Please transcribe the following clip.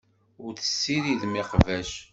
Ur tessiridem iqbac.